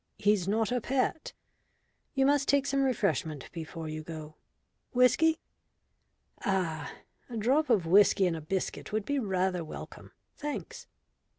He's not a pet. You must take some refreshment before you go. Whisky?" "Ah, a drop of whisky and a biscuit would be rather welcome. Thanks."